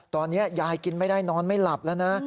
ตอนนี้ยายกินไม่ได้นอนไม่หลับแล้วนะ